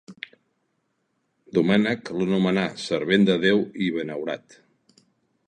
Domènec l'anomena servent de Déu i benaurat.